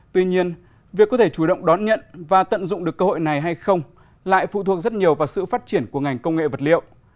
tuy nhiên việc có thể chủ động đón nhận và tận dụng được cơ hội này hay không lại phụ thuộc rất nhiều vào sự phát triển của ngành công nghệ vật liệu